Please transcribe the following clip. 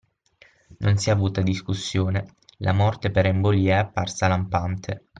Non si è avuta discussione: la morte per embolia è apparsa lampante.